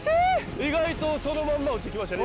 ・意外とそのまんま落ちて来ましたね